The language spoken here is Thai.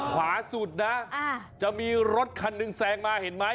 ขวาสุดนะจะมีรถคันหนึ่งแซงมาเห็นไหม